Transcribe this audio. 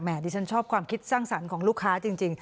ดิฉันชอบความคิดสร้างสรรค์ของลูกค้าจริง